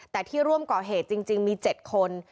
แต่ที่ร่วมก่อเหตุจริงมี๗คน